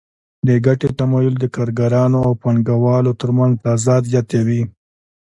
د ګټې تمایل د کارګرانو او پانګوالو ترمنځ تضاد زیاتوي